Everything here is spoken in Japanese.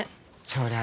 そりゃ